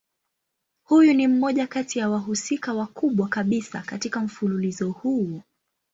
Huyu ni mmoja kati ya wahusika wakubwa kabisa katika mfululizo huu.